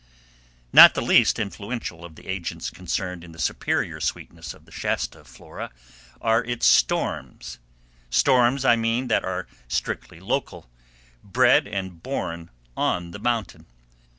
Not the least influential of the agents concerned in the superior sweetness of the Shasta flora are its storms—storms I mean that are strictly local, bred and born on the mountain.